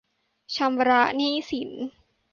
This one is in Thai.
ชำระหนี้สิน